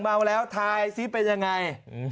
ไหว้สวยเลย